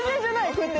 こうやって。